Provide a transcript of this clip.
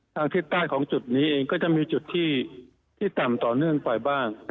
ทางทิศใต้ของจุดนี้เองก็จะมีจุดที่ต่ำต่อเนื่องไปบ้าง